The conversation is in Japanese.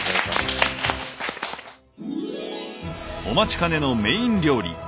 お待ちかねのメイン料理。